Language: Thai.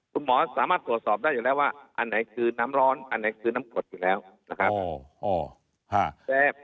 คุณหมอสามารถตรวจสอบได้อยู่แล้วว่าอันไหนคือน้ำร้อนอันไหนคือน้ำกรดอยู่แล้วนะครับ